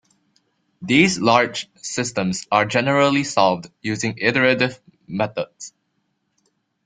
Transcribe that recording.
These large systems are generally solved using iterative methods.